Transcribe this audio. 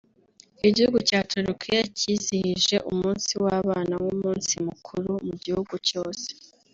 Igihugu cya Turukiya cyizihije umunsi w’abana nk’umunsi mukuru mu gihugu cyose